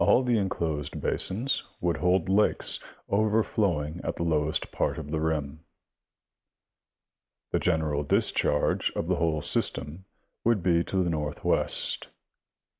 All the enclosed basins woUld hold lakes, overflowing at the lowest part of the rim. The general discharge of the whole system would be to the northwest.